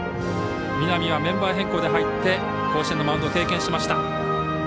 南はメンバー変更で入って甲子園のマウンドを経験しました。